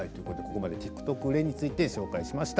ここまでＴｉｋＴｏｋ売れについてご紹介しました。